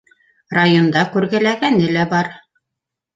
Районда күргеләгәне лә бар: